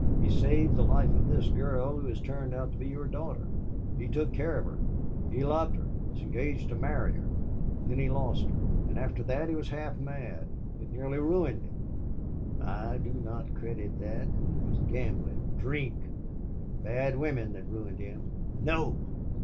He saved the life of this girl who has turned out to be your daughter. He took care of her. He loved her was engaged to marry her.... Then he lost her. And after that he was half mad. It nearly ruined him." "I do not credit that. It was gambling, drink and bad women that ruined him." "No!"